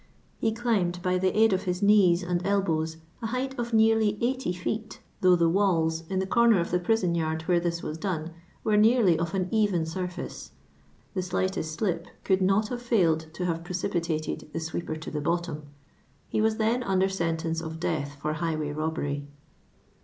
He climbed by the aid of his knees and elbows a height of nearly 80 feet, though the walls, in the comer of the prison yard, where this was done, were nearly of an even surface : the slight<'st i«lip could not have failed to have precipitated the sweep er to the bottom. He was then under sentence of death for highway rolibery.